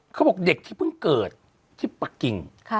เขาบอกเด็กที่เพิ่งเกิดที่ปะกิ่ง